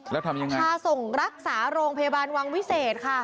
แล้วทำยังไงพาส่งรักษาโรงพยาบาลวังวิเศษค่ะ